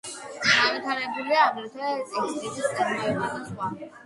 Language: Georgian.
განვითარებულია აგრეთვე ტექსტილის წარმოება და სხვა.